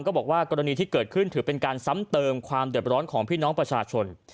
บอกว่ากรณีที่เกิดขึ้นถือเป็นการซ้ำเติมความเดือดร้อนของพี่น้องประชาชน